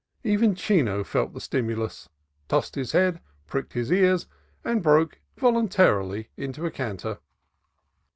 Even Chino felt the stimulus, tossed his head, pricked his ears, and broke voluntarily into a canter.